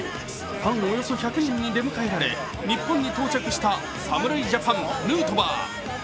ファンおよそ１００人に出迎えられ、日本に到着した侍ジャパン、ヌートバー。